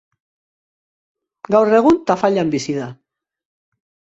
Gaur egun, Tafallan bizi da.